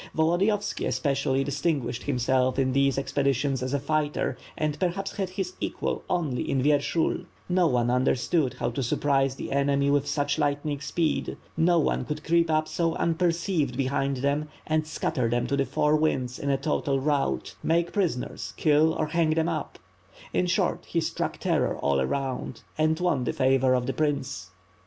Volodiyovski, especially, distinguished himself in these ex peditions as a fighter, and perhaps had his equal only in Vyershul, No one understood how to surprise the enemy with such lightning speed, no one could creep up so unperceived behind them and scatter them to the four winds in a total rout, make prisoners, kill or hang them up; in short, he struck terror all around and won the favor of the prince.